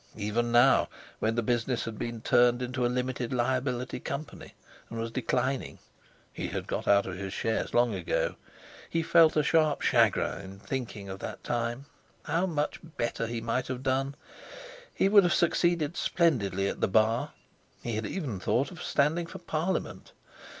Even now, when the business had been turned into a Limited Liability Company, and was declining (he had got out of his shares long ago), he felt a sharp chagrin in thinking of that time. How much better he might have done! He would have succeeded splendidly at the Bar! He had even thought of standing for Parliament.